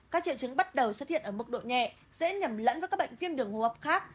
các triệu chứng bắt đầu xuất hiện ở mức độ nhẹ dễ nhầm lẫn với các bệnh viêm đường hô hấp khác